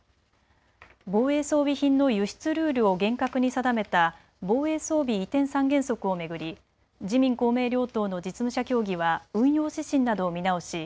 防衛装備品の輸出ルールを厳格に定めた防衛装備移転三原則を巡り自民・公明両党の実務者協議は運用指針などを見直し